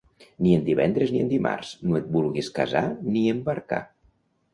Ni en divendres ni en dimarts, no et vulguis casar ni embarcar.